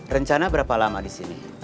rencana berapa lama disini